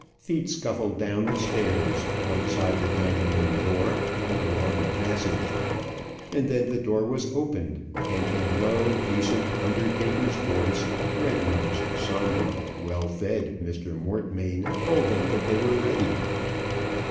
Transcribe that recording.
Feet scuffled down the stairs, outside the dining room door, and along the passage. And then the door was opened, and in low, decent undertaker's voice, red nosed, sombre, well fed Mr. Mortmain told them that they were ready.